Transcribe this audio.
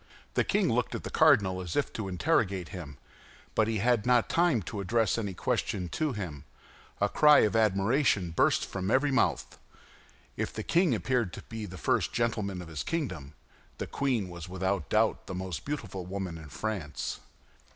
The king looked at the cardinal as if to interrogate him; but he had not time to address any question to him—a cry of admiration burst from every mouth. If the king appeared to be the first gentleman of his kingdom, the queen was without doubt the most beautiful woman in France.